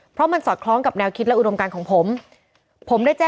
เพราะมันสอดคล้องกับแนวคิดและอุดมการของผมผมได้แจ้ง